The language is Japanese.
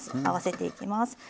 合わせていきます。